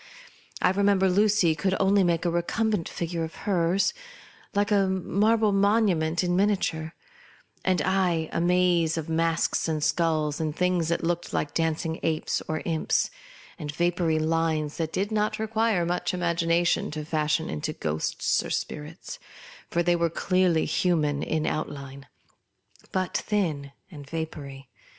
I re member Lucy could only make a recumbent figure of her's, like a marble monument in miniature ; and T, a maze of masks and sculls and things that looked like dancing apes or imps, and vapoury lines that did not require much imagination to fashion into ghosts or spirits ; for they were clearly human in the outline, but thin and vapoury.